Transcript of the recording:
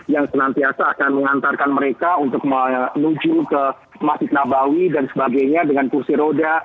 yang senantiasa akan mengantarkan mereka untuk menuju ke masjid nabawi dan sebagainya dengan kursi roda